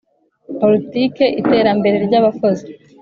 Politike iterambere ry abakozi